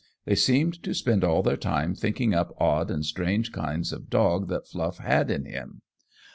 They seemed to spend all their time thinking up odd and strange kinds of dog that Fluff had in him.